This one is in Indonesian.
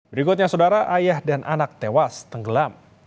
berikutnya saudara ayah dan anak tewas tenggelam